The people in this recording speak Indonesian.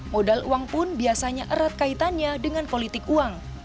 modal uang pun biasanya erat kaitannya dengan politik uang